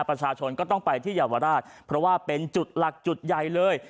ประชาชนก็ต้องไปที่เยาวราชเพราะว่าเป็นจุดหลักจุดใหญ่เลย